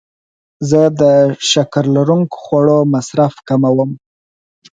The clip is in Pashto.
زه د شکر لرونکو خوړو مصرف کموم.